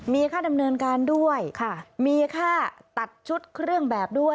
มีค่าดำเนินการด้วยมีค่าตัดชุดเครื่องแบบด้วย